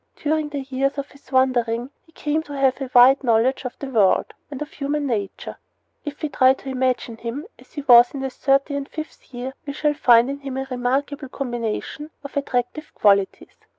During the years of his wandering he came to have a wide knowledge of the world and of human nature. If we try to imagine him as he was in his thirty fifth year we shall find in him a remarkable combination of attractive qualities.